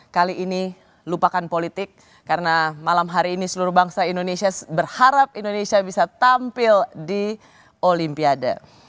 kali ini lupakan politik karena malam hari ini seluruh bangsa indonesia berharap indonesia bisa tampil di olimpiade